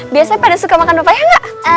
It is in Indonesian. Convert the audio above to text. biasanya pada suka makan rupanya nggak